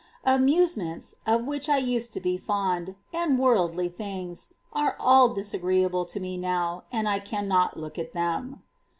^,. 14. Amusements, of which I used to be fond, Pastimes. ',' and worldly things, are all disagreeable to me now, and I cannot look at them.